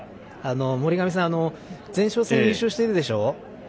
森上さん、前哨戦で優勝しているでしょ？